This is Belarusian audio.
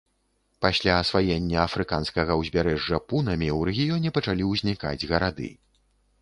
Пасля асваення афрыканскага ўзбярэжжа пунамі ў рэгіёне пачалі ўзнікаць гарады.